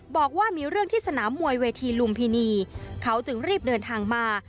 บอกว่ามีเรื่องที่สนามมวยเวทีลุมพินีเขาจึงรีบเดินทางมา